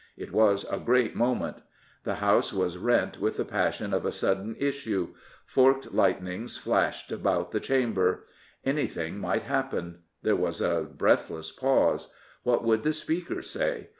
It was a great moment. The House was rent with the passion of a sudden issue. Forked lightnings flashed about the Chamber. Any thing might happen. There was a breathless pause. What would the Speaker say?